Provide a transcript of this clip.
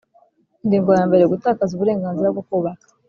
Ingingo ya mbere Gutakaza uburenganzira bwo kubaka